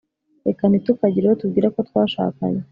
Reka ntitukagire uwo tubwira ko twashakanye